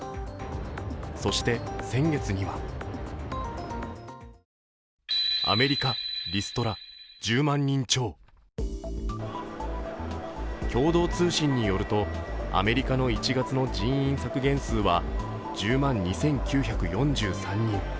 そして先月には共同通信によると、アメリカの１月の人員削減数は１０万２９４３人。